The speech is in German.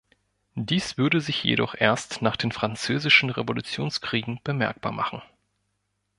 Dies würde sich jedoch erst nach den französischen Revolutionskriegen bemerkbar machen.